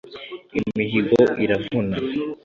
imihigo iravuna